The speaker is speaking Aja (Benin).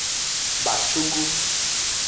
Bacugu.